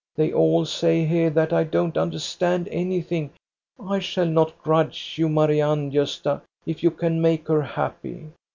They all say here that I don't understand anything. I shall not grudge you Marianne, Gosta, if you can make her happy.